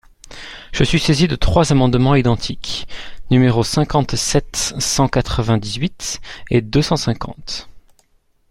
Je suis saisi de trois amendements identiques, numéros cinquante-sept, cent quatre-vingt-dix-huit et deux cent cinquante.